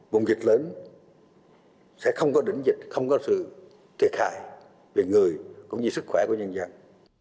vùng dịch lớn sẽ không có đỉnh dịch không có sự thiệt hại về người cũng như sức khỏe của nhân dân